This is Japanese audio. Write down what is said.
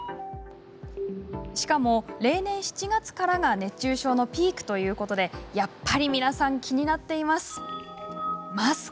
しかも、例年７月からが熱中症のピークということでやっぱり皆さん気になっています。